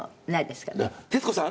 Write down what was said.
徹子さん